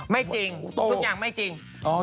ไม่จริงทุกอย่างไม่จริง